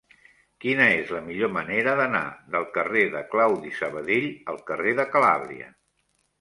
Quina és la millor manera d'anar del carrer de Claudi Sabadell al carrer de Calàbria?